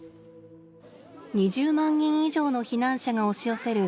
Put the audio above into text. ２０万人以上の避難者が押し寄せる